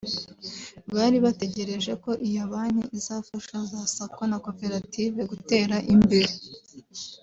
bari bategereje ko iyo banki izafasha za Sacco na koperative gutera imbere